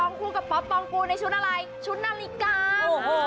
คู่กับป๊อปปองกูลในชุดอะไรชุดนาฬิกา